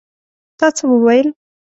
تا څه وویل?